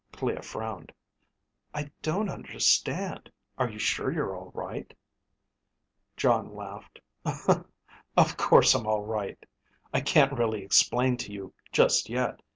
Clea frowned. "I don't understand. Are you sure you're all right?" Jon laughed. "Of course I'm all right. I can't really explain to you just yet.